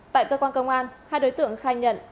tại cơ quan công an hai đối tượng khai nhận đã gọi taxi trở lại